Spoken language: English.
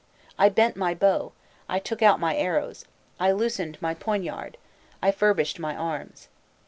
I bent my bow, I took out my arrows, I loosened my poignard, I furbished my arms.